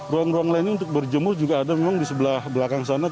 ruang ruang lainnya untuk berjemur juga ada memang di sebelah belakang sana